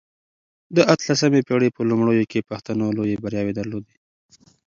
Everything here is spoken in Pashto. د اته لسمې پېړۍ په لومړيو کې پښتنو لويې برياوې درلودې.